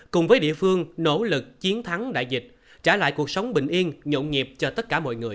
cùng với địa phương nỗ lực chiến thắng đại dịch trả lại cuộc sống bình yên nhộn nhịp cho tất cả mọi người